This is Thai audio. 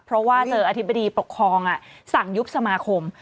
เพราะว่าเจออธิบดีปกครองสั่งยุบสมาคม